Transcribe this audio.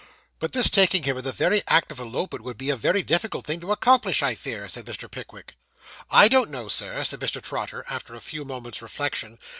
'But this taking him in the very act of elopement, would be a very difficult thing to accomplish, I fear,' said Mr. Pickwick. 'I don't know, sir,' said Mr. Trotter, after a few moments' reflection.